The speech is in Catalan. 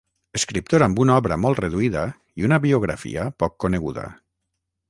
Escriptor amb una obra molt reduïda i una biografia poc coneguda.